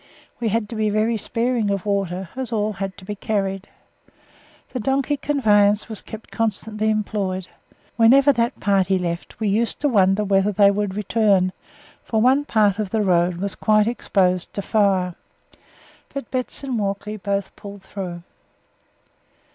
We had to be very sparing of water, as all had to be carried. The donkey conveyance was kept constantly employed. Whenever that party left we used to wonder whether they would return, for one part of the road was quite exposed to fire; but Betts and Walkley both pulled through.